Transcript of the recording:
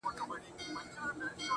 هر غم ځي خو د درد بلا به سمه په پسې وي